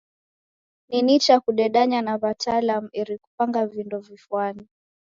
Ni nicha kudedanya na w'atalamu eri kupanga vindo vifwane.